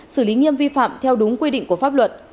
xử lý nghiêm vi phạm theo đúng quy định của pháp luật